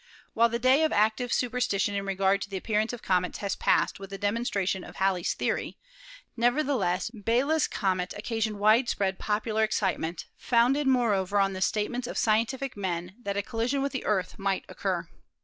While the day of active superstition in regard to the appearance of comets had passed with the demonstration of Halley's theory, nevertheless Biela's comet occasioned widespread popular excitement, founded, moreover, on the statements of scientific men that a col lision with the Earth might occur.